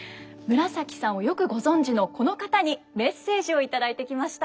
紫さんをよくご存じのこの方にメッセージを頂いてきました。